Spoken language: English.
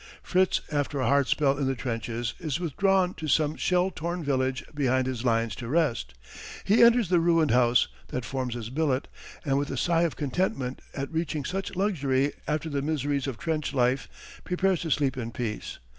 Fritz after a hard spell in the trenches is withdrawn to some shell torn village behind his lines to rest. He enters the ruined house, that forms his billet, and with a sigh of contentment at reaching such luxury after the miseries of trench life prepares to sleep in peace.